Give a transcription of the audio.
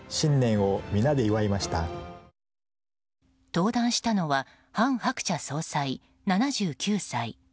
登壇したのは韓鶴子総裁、７９歳。